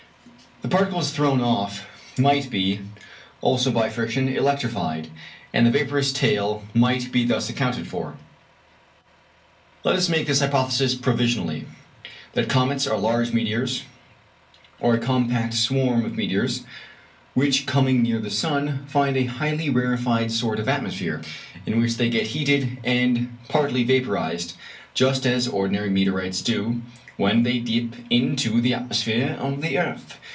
The particles thrown off might be, also by friction, electrified; and the vaporous tail might be thus accounted for. [Illustration: FIG. 102. Halley's Comet.] Let us make this hypothesis provisionally that comets are large meteors, or a compact swarm of meteors, which, coming near the sun, find a highly rarefied sort of atmosphere, in which they get heated and partly vaporized, just as ordinary meteorites do when they dip into the atmosphere of the earth.